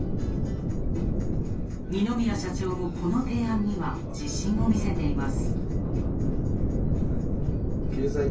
二宮社長もこの提案には自信をみせています。